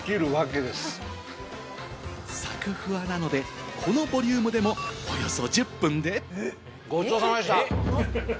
サクふわなので、このボリュームでも、およそ１０分で。